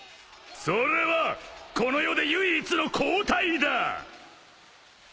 それはこの世で唯一の抗体だ。